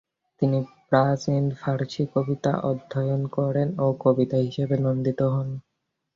তিনি প্রাচীন ফার্সি কবিতা অধ্যয়ন করেন ও কবি হিসেবে নন্দিত হন।